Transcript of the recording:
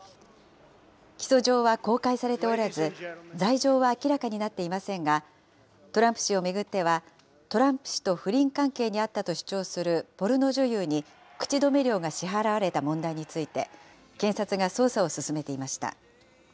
起訴状は公開されておらず、罪状は明らかになっていませんが、トランプ氏を巡っては、トランプ氏と不倫関係にあったと主張するポルノ女優に、口止め料が支払われた問題について、検察が捜査を進めていました。